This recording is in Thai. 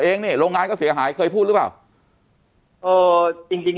เองนี่โรงงานก็เสียหายเคยพูดหรือเปล่าเออจริงจริง